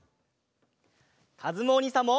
かずむおにいさんも！